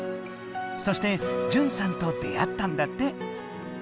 そして淳さんと出会ったんだって。